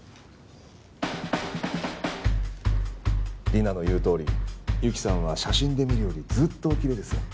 リナの言うとおり雪さんは写真で見るよりずっとおきれいですね。